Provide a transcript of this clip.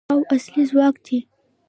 او اصلي ځواک دی.